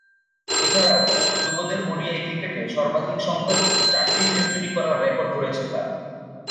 এছাড়াও, যুবদের ওডিআই ক্রিকেটে সর্বাধিকসংখ্যক চারটি সেঞ্চুরি করার রেকর্ড রয়েছে তার।